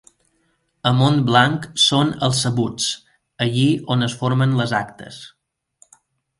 A Montblanc són els sabuts, allí on es formen les actes.